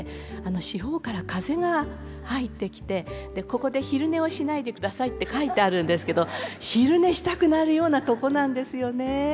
四方から風が入ってきて「ここで昼寝をしないでください」って書いてあるんですけど昼寝したくなるようなとこなんですよね。